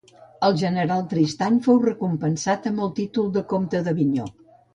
El general Tristany fou recompensat amb el títol de comte d'Avinyó.